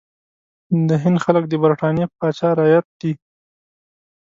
د هند خلک د برټانیې پاچا رعیت دي.